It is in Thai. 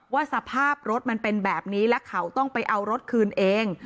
สภาพรถมันเป็นแบบนี้และเขาต้องไปเอารถคืนเอง